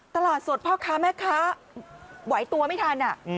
ตลาดสดพ่อค้าแม่ค้าไหวตัวไม่ทัน